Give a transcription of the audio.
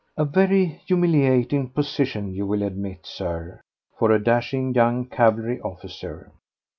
A very humiliating position, you will admit, Sir, for a dashing young cavalry officer.